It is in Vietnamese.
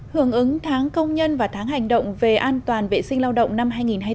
hưởng ứng tháng công nhân và tháng hành động về an toàn vệ sinh lao động năm hai nghìn hai mươi bốn